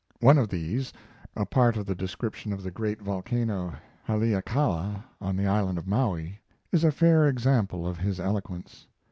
One of these a part of the description of the great volcano Haleakala, on the island of Maui is a fair example of his eloquence.